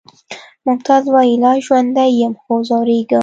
ممتاز وایی لا ژوندی یم خو ځورېږم